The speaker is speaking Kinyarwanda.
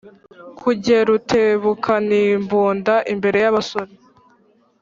kugeRutebukanimbunda imbere y’abasore